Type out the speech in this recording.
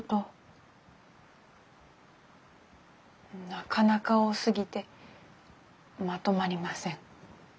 なかなか多すぎてまとまりません。